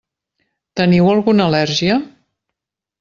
Teniu alguna al·lèrgia?